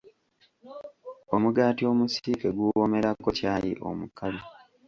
Omugaati omusiike guwoomerako caayi omukalu.